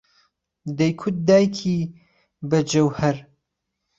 دەیگوت دایکی ب هجهوهەر